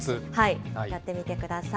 やってみてください。